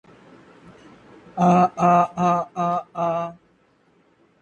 The B-side is an instrumental remix titled "Dub-vulture".